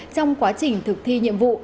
trong quá trình thực thi nhiệm vụ